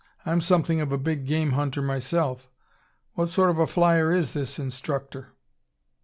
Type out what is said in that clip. I'm something of a big game hunter myself. What sort of a flyer is this instructor?"